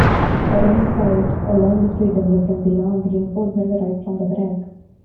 A running fight along the street developed until armed reinforcements arrived from the barracks.